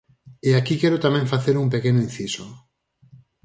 E aquí quero tamén facer un pequeno inciso.